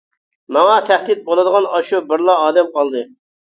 ماڭا تەھدىت بولىدىغان شۇ بىرلا ئادەم قالدى.